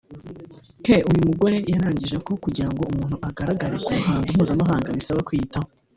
ke uyu mugore yangarije ko kugira ngo umuntu agaragare ku ruhando mpuzamahanga bisaba kwiyitaho